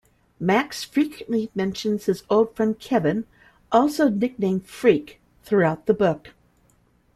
Max frequently mentions his old friend Kevin, also nicknamed Freak, throughout the book.